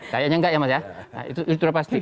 kayaknya enggak ya mas ya nah itu sudah pasti